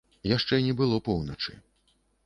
Яшчэ не было поўначы.